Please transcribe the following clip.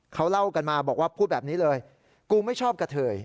เขาเล่ากันมาบอกว่าพูดแบบนี้เลยกูไม่ชอบกะเทย